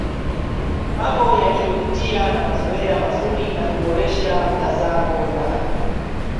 mambo waliyopitia na mazoea mazuri na huboresha mtazamo na